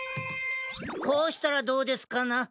こうしたらどうですかな？